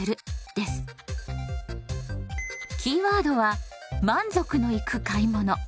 キーワードは「満足のいく買い物」。